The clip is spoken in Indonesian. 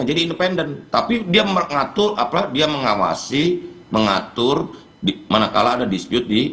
jadi independen tapi dia mengatur apalagi mengawasi mengatur di mana kalah ada disyukuri